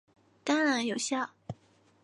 当然有效！